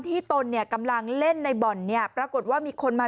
ตนเนี่ยกำลังเล่นในบ่อนเนี่ยปรากฏว่ามีคนมา